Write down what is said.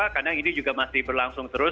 karena ini juga masih berlangsung terus